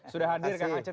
sudah hadir kak aceh